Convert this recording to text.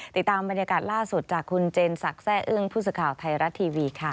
ติดตามบรรยากาศล่าสุดจากคุณเจนศักดิ์แซ่อึ้งผู้สื่อข่าวไทยรัฐทีวีค่ะ